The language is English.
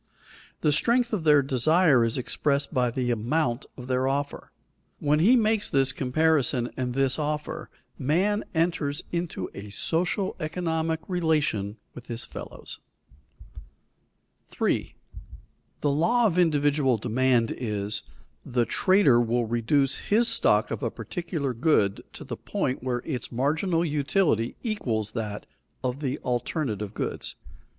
The strength of their desire is expressed by the amount of their offer. When he makes this comparison and this offer, man enters into a social, economic relation with his fellows. [Sidenote: The limit of the exchanger's demand] 3. _The law of individual demand is: The trader will reduce his stock of a particular good to the point where its marginal utility equals that of the alternative goods.